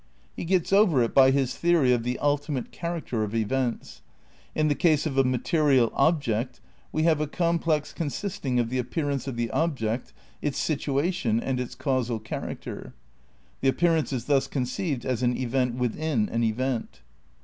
He gets over it by his theory of the ultimate character of events. In the case of a material object we have a complex consisting of the appearance of the object, its "situation" and its "causal character." The appear ance is thus conceived as an event within an event.